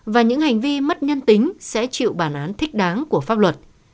và những hành vi mất nhân tính sẽ chịu bản án thích đáng của pháp luật